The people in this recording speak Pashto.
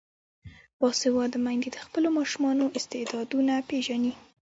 باسواده میندې د خپلو ماشومانو استعدادونه پیژني.